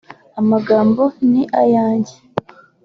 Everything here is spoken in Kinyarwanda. amagambo ni ayanjye